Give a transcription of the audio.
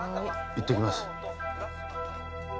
いってきます